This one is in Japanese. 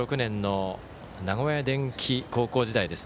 昭和５６年の名古屋電気高校時代